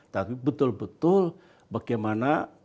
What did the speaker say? tapi betul betul bagaimana palestina menjadi negara yang berkembang